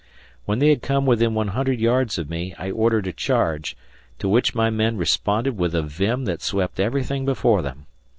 When they had come within 100 yards of me I ordered a charge, to which my men responded with a vim that swept everything before them.